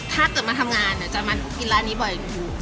ถ้าเกิดมาทำงานจะมากินร้านนี้บ่อยอยู่